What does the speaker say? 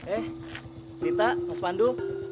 eh dita mas pandu